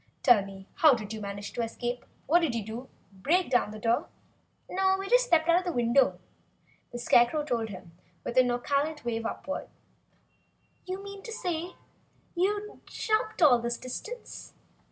Tell me, how did you manage to escape? What did you do? Break down the door?" "No we just stepped out the window," the Scarecrow told him with a nonchalant wave upward. "You mean, you jumped all this distance?"